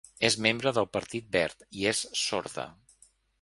És membre del Partit Verd i és sorda.